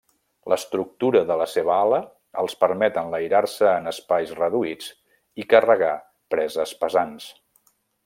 L'estructura de la seva ala els permet enlairar-se en espais reduïts i carregar preses pesants.